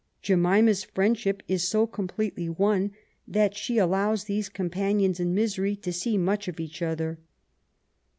Jemima^s friendship is so completely won that she allows these companions in misery to see much of each other.